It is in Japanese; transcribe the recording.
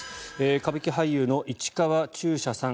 歌舞伎俳優の市川中車さん